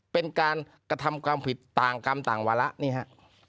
เป็นการกระทำความผิดต่างกรรมต่างวาระนี่ฮะ